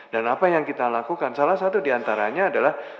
dan apa yang kita lakukan salah satu di antaranya adalah